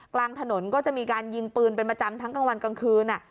กลางถนนก็จะมีการยิงปืนเป็นประจำทั้งกลางวันกลางคืน